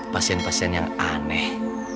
pasien pasien yang aneh